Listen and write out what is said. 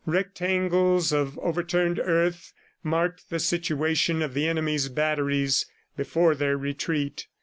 Rectangles of overturned earth marked the situation of the enemy's batteries before their retreat.